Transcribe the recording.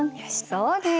そうです！